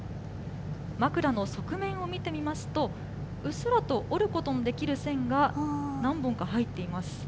枕の側面を見てみますと、うっすらと折ることのできる線が何本か入っています。